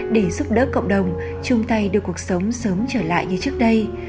để giúp đỡ cộng đồng chung tay đưa cuộc sống sớm trở lại như trước đây